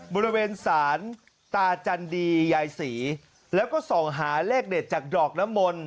บริเวณศาลตาจันดียายศรีแล้วก็ส่องหาเลขเด็ดจากดอกน้ำมนต์